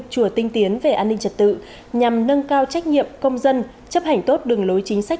chùa tiên tiến về an ninh trật tự nhằm nâng cao trách nhiệm công dân chấp hành tốt đường lối chính sách